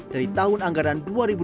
dari tahun anggaran dua ribu dua puluh